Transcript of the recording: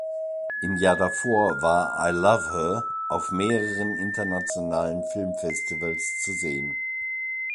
Im Jahr davor war "I Love Her" auf mehreren internationalen Filmfestivals zu sehen.